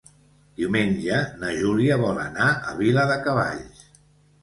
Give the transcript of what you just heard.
Diumenge na Júlia vol anar a Viladecavalls.